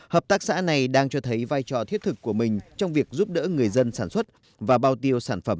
hợp tác xã này đang cho thấy vai trò thiết thực của mình trong việc giúp đỡ người dân sản xuất và bao tiêu sản phẩm